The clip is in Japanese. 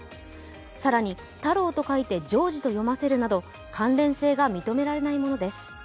更に「太郎」と書いて「ジョージ」と読ませるなど関連性が認められないものです。